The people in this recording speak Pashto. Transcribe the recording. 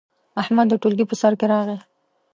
احمد د ټولګي په سر کې راغی.